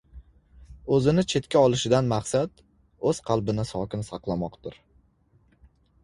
O‘zini chetga olishidan maqsad, o‘z qalbini sokin saqlamoqdir.